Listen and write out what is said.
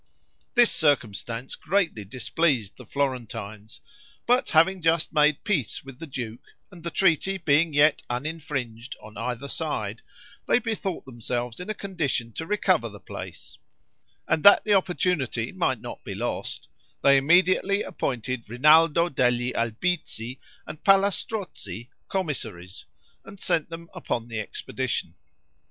This circumstance greatly displeased the Florentines; but having just made peace with the duke, and the treaty being yet uninfringed on either side, they bethought themselves in a condition to recover the place; and that the opportunity might not be lost, they immediately appointed Rinaldo degli Albizzi and Palla Strozzi commissaries, and sent them upon the expedition.